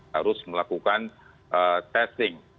harus melakukan testing